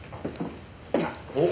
おっ。